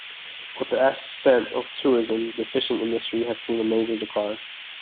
With the ascent of tourism, the fishing industry has seen a major decline.